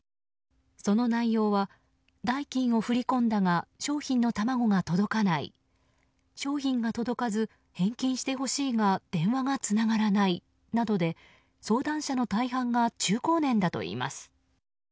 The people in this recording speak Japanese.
その内容は、代金を振り込んだが商品の卵が届かない商品が届かず返金してほしいが電話がつながらないなどで相談者の大半が中高年だといいます。